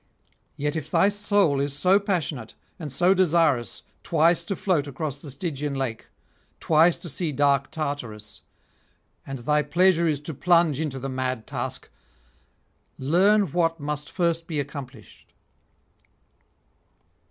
Yet if thy soul is so passionate and so desirous twice to float across the Stygian lake, twice to see dark Tartarus, and thy pleasure is to plunge into the mad task, learn what must first be accomplished.